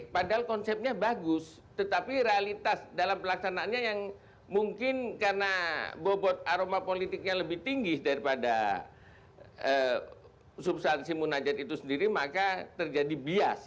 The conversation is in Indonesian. padahal konsepnya bagus tetapi realitas dalam pelaksanaannya yang mungkin karena bobot aroma politiknya lebih tinggi daripada substansi munajat itu sendiri maka terjadi bias